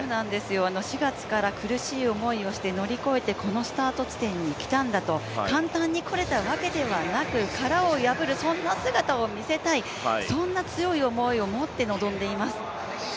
４月から苦しい思いをして乗り越えて、このスタート地点に来たんだと簡単に来られたわけではなく、殻を破る、そんな姿を見せたい、そんな強い思いを持って臨んでいます。